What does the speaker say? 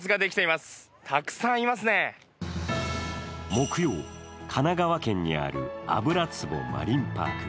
木曜、神奈川県にある油壺マリンパーク。